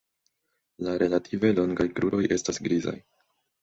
La relative longaj kruroj estas grizaj.